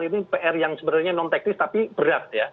ini pr yang sebenarnya non teknis tapi berat ya